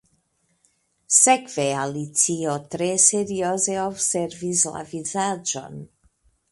Sekve Alicio tre serioze observis la vizaĝon.